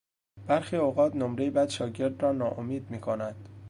برخی اوقات نمرهی بد شاگرد را ناامید میکند.